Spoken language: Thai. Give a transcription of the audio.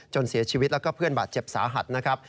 เสียชีวิตแล้วก็เพื่อนบาดเจ็บสาหัสนะครับ